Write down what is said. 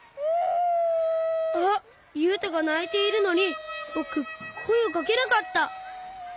あっゆうとがないているのにぼくこえをかけなかった！